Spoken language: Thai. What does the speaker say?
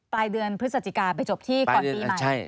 ปลายเดือนพฤศจิกาไปจบที่ก่อนปีใหม่